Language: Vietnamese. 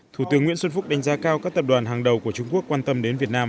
thủ tướng nguyễn xuân phúc đánh giá cao các tập đoàn hàng đầu của trung quốc quan tâm đến việt nam